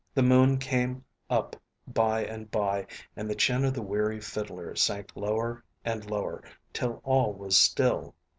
The moon came up by and by, and the chin of the weary fiddler sank lower and lower, till all was still.